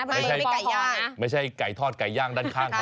ไม่ใช่ไก่ย่างไม่ใช่ไก่ทอดไก่ย่างด้านข้างเขา